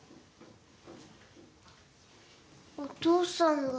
「お父さんが」